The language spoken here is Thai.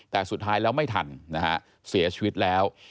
แต่สุดท้ายแล้วไม่ทันนะฮะเสียชีวิตแล้ว